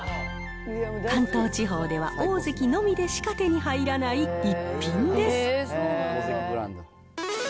関東地方ではオオゼキのみでしか手に入らない逸品です。